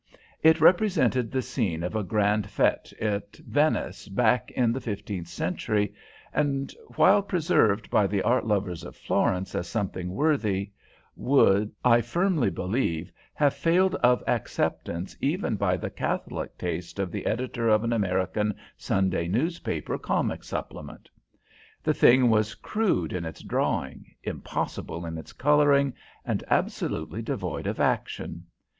It represented the scene of a grand fête at Venice back in the fifteenth century, and while preserved by the art lovers of Florence as something worthy, would, I firmly believe, have failed of acceptance even by the catholic taste of the editor of an American Sunday newspaper comic supplement. The thing was crude in its drawing, impossible in its coloring, and absolutely devoid of action.